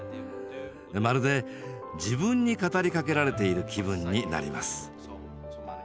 まるで自分に語りかけられている気分になります。